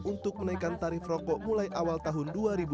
untuk menaikkan tarif rokok mulai awal tahun dua ribu dua puluh